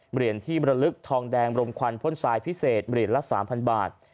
เหรียญที่บรรลึกทองแดงรมควันพ่นทรายพิเศษเหรียญละ๓๐๐บาท